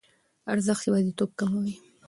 ارزښت یوازیتوب کموي.